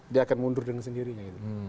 dia akan mundur dengan sendirinya gitu